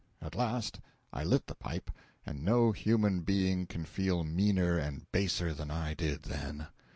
At last I lit the pipe, and no human being can feel meaner and baser than I did then.